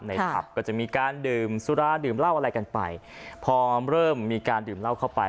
ผับก็จะมีการดื่มสุราดื่มเหล้าอะไรกันไปพอเริ่มมีการดื่มเหล้าเข้าไป